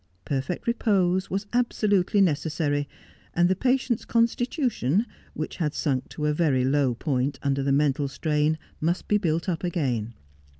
Perfect repose was absolutely necessary : and the patient's con stitution, which had sunk to a very low point under the mental strain, must be built up again.